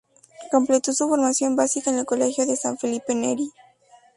Completó su formación básica en el Colegio de San Felipe Neri.